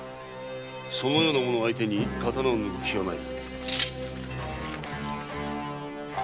そのような者相手に刀を抜く気はない。